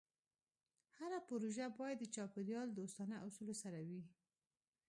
هره پروژه باید د چاپېریال دوستانه اصولو سره وي.